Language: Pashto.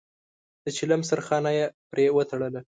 د چيلم سرخانه يې پرې وتړله.